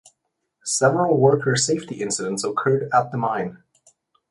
Several worker safety incidents occurred at the mine.